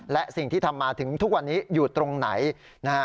และสิ่งที่ทำมาถึงทุกวันนี้อยู่ตรงไหนนะฮะ